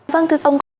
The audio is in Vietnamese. vâng thưa ông